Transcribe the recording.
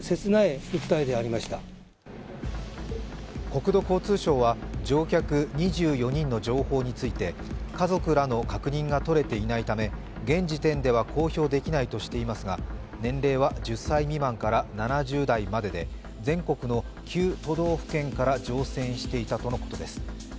国土交通省は乗客２４人の情報について家族らの確認がとれていないため現時点では公表できないとしていますが、年齢は１０歳未満から７０代までで全国の９都道府県から乗船していたとのことです。